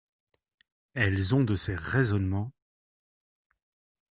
Elles ont de ces raisonnements !